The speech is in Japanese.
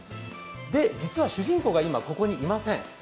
実は主人公が今ここにいません。